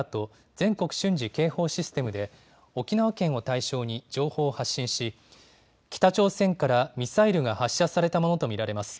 ・全国瞬時警報システムで沖縄県を対象に情報を発信し北朝鮮からミサイルが発射されたものと見られます。